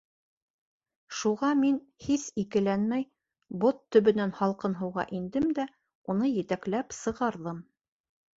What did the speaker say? Шуға мин, һис икеләнмәй, бот төбөнән һалҡын һыуға индем дә уны етәкләп сығарҙым.